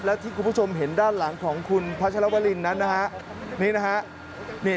และที่คุณผู้ชมเห็นด้านหลังของคุณพัชรวรินนั้นนะฮะนี่นะฮะ